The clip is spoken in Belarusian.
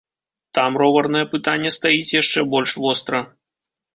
Там роварнае пытанне стаіць яшчэ больш востра.